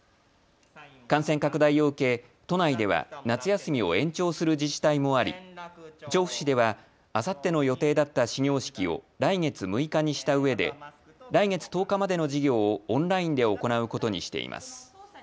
感染拡大を受け都内では夏休みを延長する自治体もあり調布市では、あさっての予定だった始業式を来月６日にしたうえで来月１０日までの授業をオンラインで行うことにしています。